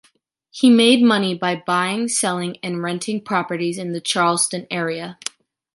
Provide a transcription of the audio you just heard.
He made money by buying, selling or renting properties in the Charleston area.